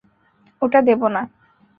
ওটা দেবো না!